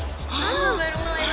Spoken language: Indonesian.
hah baru mulai